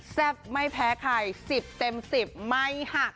แซ่บไม่แพ้ใคร๑๐เต็ม๑๐ไม่หัก